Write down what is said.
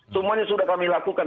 semuanya sudah kami lakukan